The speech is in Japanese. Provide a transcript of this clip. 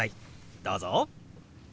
どうぞ。